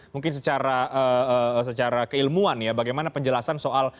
mungkin secara keilmuan ya bagaimana penjelasan soal